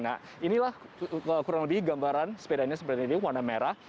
nah inilah kurang lebih gambaran sepedanya seperti ini warna merah